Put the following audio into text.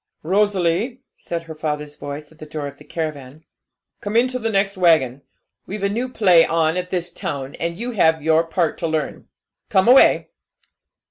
'Rosalie,' said her father's voice, at the door of the caravan, 'come into the next waggon. We've a new play on at this town, and you have your part to learn. Come away!'